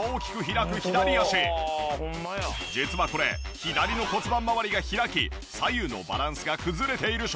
外に実はこれ左の骨盤まわりが開き左右のバランスが崩れている証拠。